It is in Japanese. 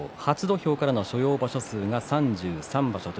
初土俵からの所要場所数が３３。